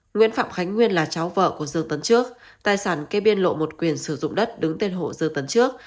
nguyễn phạm khánh nguyên là cháu vợ của dương tấn trước tài sản kê biên lộ một quyền sử dụng đất đứng tên hộ dư tấn trước